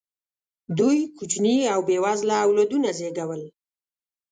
دوی کوچني او بې وزله اولادونه زېږول.